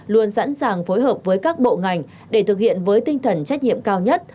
luôn sẵn sàng phối hợp với các bộ ngành để thực hiện với tinh thần trách nhiệm cao nhất